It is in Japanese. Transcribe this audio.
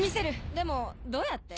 でもどうやって？